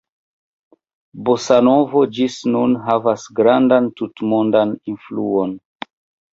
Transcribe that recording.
Bosanovo ĝis nun havas grandan tutmondan influon.